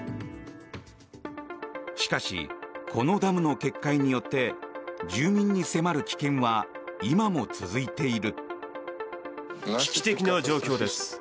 しかし、このダムの決壊によって住民に迫る危険は今も続いている。